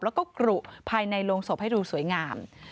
แล้วก็กรุภายในโรงศพให้ดูสวยงาม